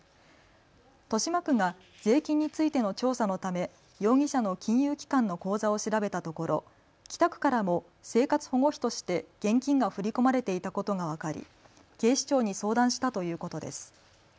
豊島区が税金についての調査のため容疑者の金融機関の口座を調べたところ北区からも生活保護費として現金が振り込まれていたことが分かり警視庁に相談したということです。